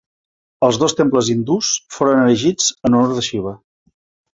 Els dos temples hindús foren erigits en honor de Xiva.